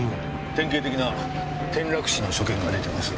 典型的な転落死の所見が出てます。